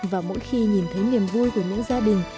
và mỗi khi nhìn thấy niềm vui của những gia đình